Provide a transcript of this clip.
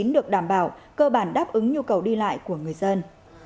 được đảm bảo cơ bản đáp ứng nhu cầu đi lại của người dân